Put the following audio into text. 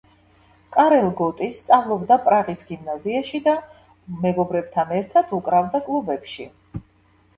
კარელ გოტი სწავლობდა პრაღის გიმნაზიაში და მეგობრებთან ერთად უკრავდა კლუბებში.